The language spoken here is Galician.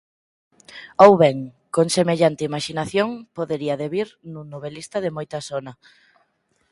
Ou ben, con semellante imaxinación, podería devir nun novelista de moita sona.